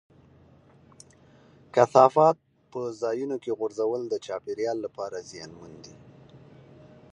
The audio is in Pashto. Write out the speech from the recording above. کثافات په ځایونو کې غورځول د چاپېریال لپاره زیانمن دي.